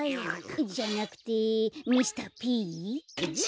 じゃなくてミスターＰ？